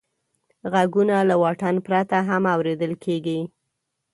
غږونه له واټن پرته هم اورېدل کېږي.